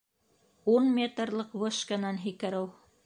Ун метрлыҡ вышканан һикереү